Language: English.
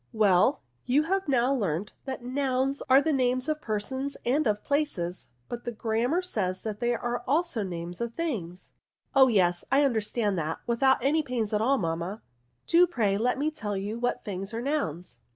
Well, you have now learnt that nouns are the names of persons and of places ; but 8 KOUNS. the Grammar says that they are also the names of things." " Oh yes, I understand that, without any pains at all, mamma; do, pray, let me tell you what things are nouns."